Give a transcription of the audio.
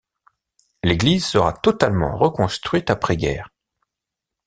L'église sera totalement reconstruite après guerre.